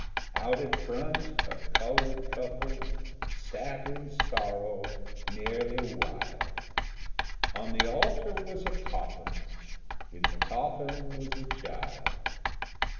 Out at front a coloured couple sat in sorrow, nearly wild; On the altar was a coffin, in the coffin was a child.